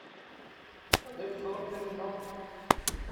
Anda ay teẓram Taninna?